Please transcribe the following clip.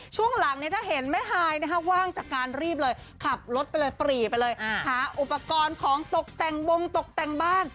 ช่วงหลังเนี่ยถ้าเห็นแม่ฮายว่างจากการรีบเลยขับรถไปเลยปรีไปเลยหาอุปกรณ์ของตกแต่งบงตกแต่งบ้าน